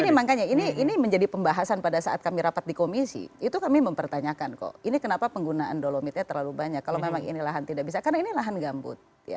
nah ini makanya ini menjadi pembahasan pada saat kami rapat di komisi itu kami mempertanyakan kok ini kenapa penggunaan dolomitnya terlalu banyak kalau memang ini lahan tidak bisa karena ini lahan gambut